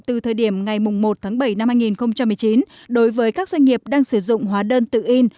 từ thời điểm ngày một tháng bảy năm hai nghìn một mươi chín đối với các doanh nghiệp đang sử dụng hóa đơn tự in